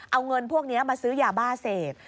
เอาเงินพวกนี้มาซื้อยาบ้าเสพ